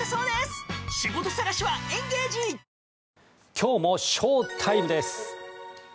今日もショータイムです。